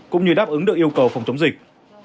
cũng như đáp ứng được yêu cầu phòng chống dịch